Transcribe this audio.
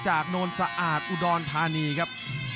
โนนสะอาดอุดรธานีครับ